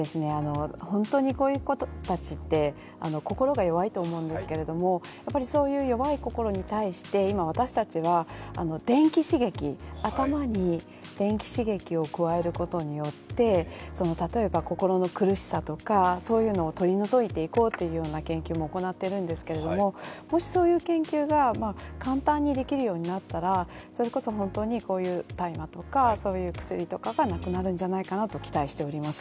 本当にこういう方たちって、心が弱いと思うんですけどそういう弱い心に対して今、私たちは電気刺激、頭に電気刺激を加えることによって例えば心の苦しさとかそういうのを取り除いていこうという研究を行っているんですけれどももし、そういう研究が簡単にできるようになったらそれこそ、大麻とかそういう薬がなくなるんじゃないかなと期待しております。